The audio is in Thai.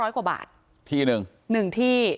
๕๐๐กว่าบาทที่หนึ่ง